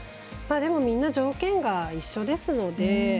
でも、みんな条件は一緒ですので。